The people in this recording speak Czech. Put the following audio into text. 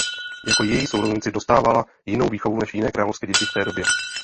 Jako její sourozenci dostávala jinou výchovu než jiné královské děti v té době.